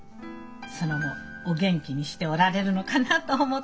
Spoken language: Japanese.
その後お元気にしておられるのかなと思って。